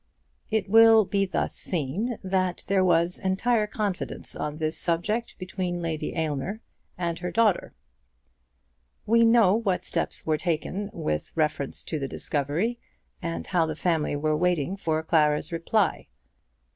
It will be thus seen that there was entire confidence on this subject between Lady Aylmer and her daughter. We know what were the steps taken with reference to the discovery, and how the family were waiting for Clara's reply.